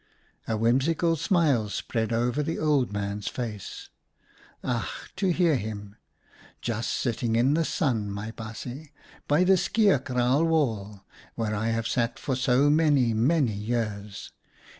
A whimsical smile spread over the old man's face. " Ach ! to hear him ! Just sitting in the sun, my baasje, by the skeer kraal wall, where I have sat for so many, many years.